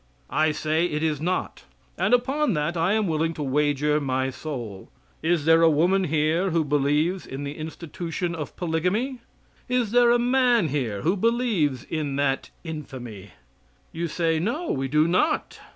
I say it is not and upon that I am willing to wager my soul. Is there a woman here who believes in the institution of polygamy? Is there a man here who believes in that infamy? You say: "No, we do not."